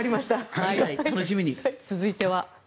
続いては。